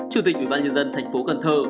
chủ tịch ubnd thành phố cần thơ